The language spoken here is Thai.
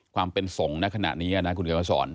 ความเป็นสงฆ์ในขณะนี้